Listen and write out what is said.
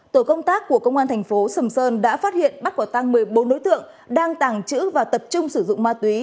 tổ công tác của công an thành phố sầm sơn đã phát hiện bắt quả tăng một mươi bốn đối tượng đang tàng trữ và tập trung sử dụng ma túy